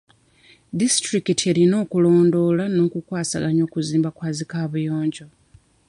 Disitulikiti erina okulondoola n'okukwasaganya okuzimba kwa zi kaabuyonjo.